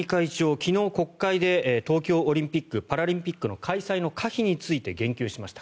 昨日、国会で東京オリンピック・パラリンピックの開催の可否について言及しました。